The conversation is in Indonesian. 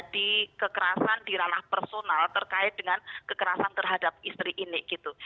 di kekerasan di ranah personal terkait dengan kekerasan terhadap istri ini gitu